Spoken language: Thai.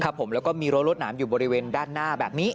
ครับผมแล้วก็มีรั้วรวดหนามอยู่บริเวณด้านหน้าแบบนี้